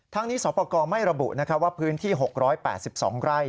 ทั้งนี้สปกรไม่ระบุว่าพื้นที่๖๘๒ไร่